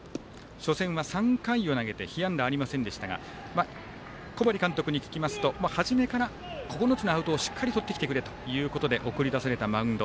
初戦は、３回を投げて被安打ありませんでしたが小針監督に聞きますと初めから９つのアウトをしっかりとってきてくれと送り出されたマウンド。